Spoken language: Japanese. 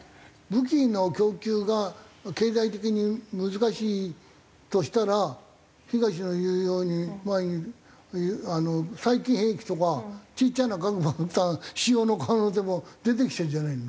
武器の供給が経済的に難しいとしたら東の言うようにあの細菌兵器とかちっちゃな核爆弾使用の可能性も出てきてるんじゃないの？